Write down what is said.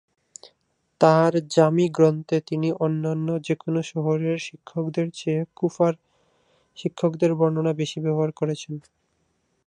তার "জামি" গ্রন্থে তিনি অন্যান্য যেকোন শহরের শিক্ষকদের চেয়ে কুফার শিক্ষকদের বর্ণনা বেশি ব্যবহার করেছেন।